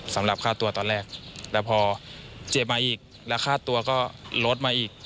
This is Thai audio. สำหรับค่าตัวตอนแรกแล้วพอเจ็บมาอีกแล้วค่าตัวก็ลดมาอีก